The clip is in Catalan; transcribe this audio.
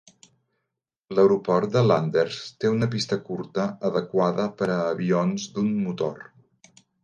L'aeroport de Landers té una pista curta, adequada per a avions d'un motor.